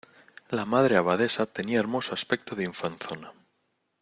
la Madre Abadesa tenía hermoso aspecto de infanzona: